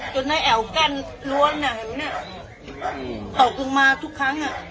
จนได้แอวแก้งล้วนอ่ะเห็นไหมเนี้ยอืมตกลงมาทุกครั้งอ่ะ